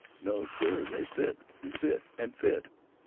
No, sir! They fit, an' fit, an' fit."